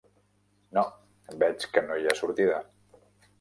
No, veig que no hi ha sortida.